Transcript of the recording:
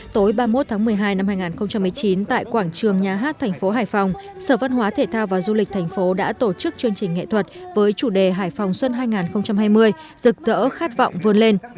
tối ba mươi một tháng một mươi hai năm hai nghìn một mươi chín tại quảng trường nhà hát thành phố hải phòng sở văn hóa thể thao và du lịch thành phố đã tổ chức chương trình nghệ thuật với chủ đề hải phòng xuân hai nghìn hai mươi rực rỡ khát vọng vươn lên